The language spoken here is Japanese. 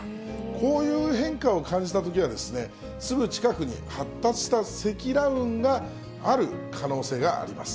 こういう変化を感じたときはですね、すぐ近くに発達した積乱雲がある可能性があります。